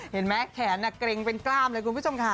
เห็นไหมแขนเกร็งเป็นกล้ามเลยคุณผู้ชมค่ะ